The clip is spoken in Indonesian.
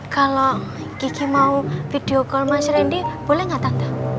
kalo kiki mau video call mas rendy boleh gak tante